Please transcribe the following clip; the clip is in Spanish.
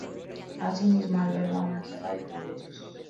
Así mismo, alberga una sala de congresos.